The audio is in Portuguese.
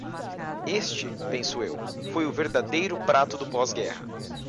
Este, penso eu, foi o verdadeiro prato do pós-guerra.